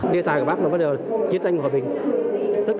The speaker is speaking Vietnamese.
đề tài của bắc là bắt đầu chiến tranh hòa bình